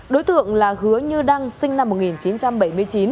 đối tượng là hứa như đăng sinh năm một nghìn chín trăm bảy mươi chín